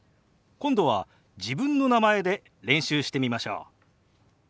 今度は自分の名前で練習してみましょう。